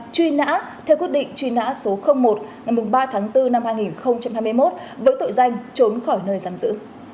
truy nã theo quyết định truy nã số một ngày ba tháng bốn năm hai nghìn hai mươi một với tội danh trốn khỏi nơi giam giữ